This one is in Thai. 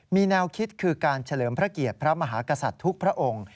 มีแนวคิดคือการเฉลิมพระเกียรติพระมหากษัตริย์ทุกพระองค์